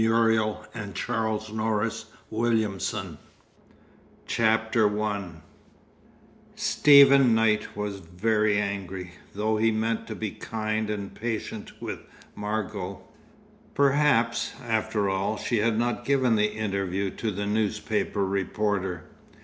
WILLIAMSON TO Effendi HIS BOOK THE GOLDEN SILENCE I Stephen Knight was very angry, though he meant to be kind and patient with Margot. Perhaps, after all, she had not given the interview to the newspaper reporter.